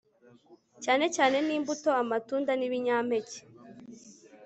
cyane cyane nimbuto amatunda nibinyampeke